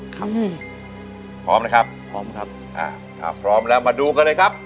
ครับพร้อมนะครับพร้อมครับอ่าถ้าพร้อมแล้วมาดูกันเลยครับ